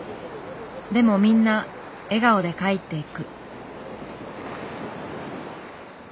でもみんな笑顔で帰っていく。